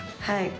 はい。